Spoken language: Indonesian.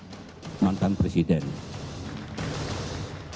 yang juga melarang presiden kita untuk bertemu dengan sahabatnya yang juga